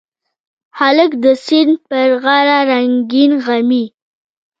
هلک د سیند پر غاړه رنګین غمي